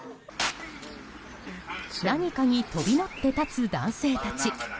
何かに飛び乗って立つ男性たち。